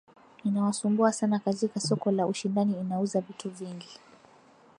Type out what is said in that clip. inawasumbua sana katika soko la ushindani inauza vitu vingi